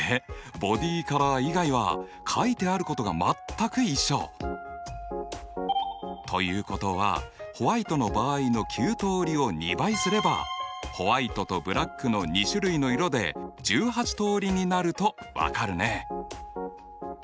ボディカラー以外は書いてあることが全く一緒！ということはホワイトの場合の９通りを２倍すればホワイトとブラックの２種類の色で１８通りになると分かるね。